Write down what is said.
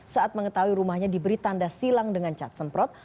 saat mengetahui rumahnya diberi tanda silang dengan cat semprot